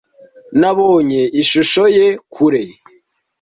Nabonye ishusho ye kure.